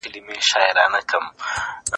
ګټه به ستا د خواري مېوه وي.